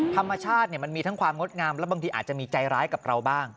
ธรรมชาติมันมีทั้งความงดงามและบางทีอาจจะมีใจร้ายกับเราบ้าง